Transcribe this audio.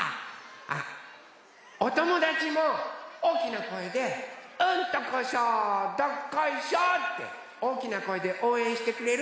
あっおともだちもおおきなこえで「うんとこしょどっこいしょ」っておおきなこえでおうえんしてくれる？